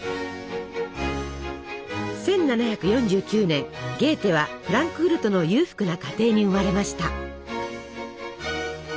１７４９年ゲーテはフランクフルトの裕福な家庭に生まれました。